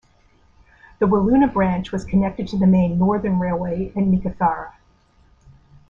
The Wiluna branch was connected to the main Northern Railway at Meekatharra.